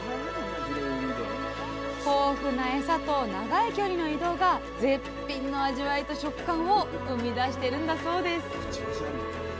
豊富なエサと長い距離の移動が絶品の味わいと食感を生み出してるんだそうです